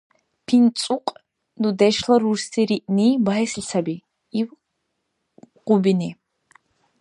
— ПинцӀукь дудешла рурси риъни багьесли саби, — иб Къубини.